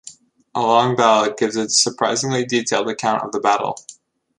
A long ballad gives a surprisingly detailed account of the battle.